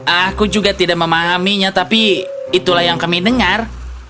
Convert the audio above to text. aku juga tidak memahaminya tapi itulah yang kami dengar